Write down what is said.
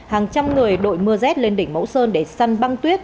hàng trăm người đội mưa rét lên đỉnh mẫu sơn để săn băng tuyết